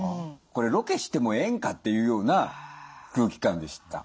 これロケしてもええんかっていうような空気感でした。